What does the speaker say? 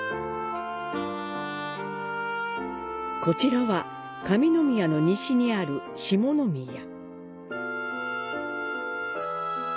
こちらは上宮の西にある「下宮」。